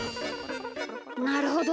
なるほど。